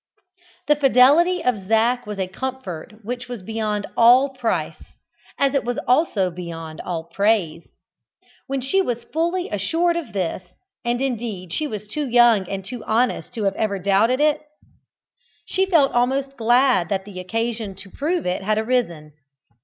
The fidelity of Zac was a comfort which was beyond all price, as it was also beyond all praise. When she was fully assured of this and indeed she was too young and too honest to have ever doubted it she felt almost glad that the occasion to prove it had arisen.